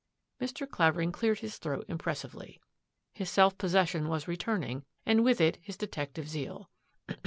Mr. Clavering cleared his throat impressively. His self possession was returning and with it his detective zeal.